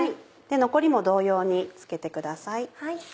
残りも同様に付けてください。